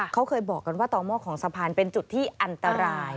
เขาเคยบอกกันว่าต่อหม้อของสะพานเป็นจุดที่อันตราย